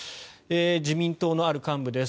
自民党のある幹部です。